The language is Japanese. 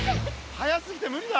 速すぎて無理だ。